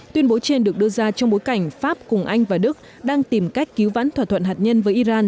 tuyên bố trên được đưa ra trong bối cảnh pháp cùng anh và đức đang tìm cách cứu vãn thỏa thuận hạt nhân với iran